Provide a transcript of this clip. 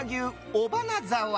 尾花沢。